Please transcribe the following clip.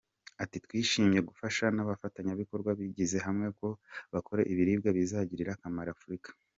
Ati “Twishimiye gufashwa n’abafatanyabikorwa bishyize hamwe ngo bakore ibiribwa bizagirira akamaro Africa.